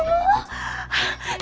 alhamdulillah ya allah